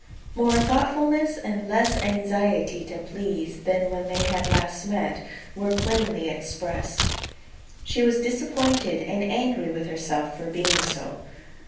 More thoughtfulness and less anxiety to please, than when they last met, were plainly expressed. She was disappointed, and angry with herself for being so.